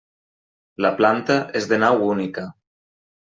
La planta és de nau única.